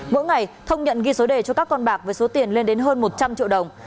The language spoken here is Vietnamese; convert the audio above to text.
mỗi ngày thông nhận ghi số đề cho các con bạc với số tiền lên đến hơn một trăm linh triệu đồng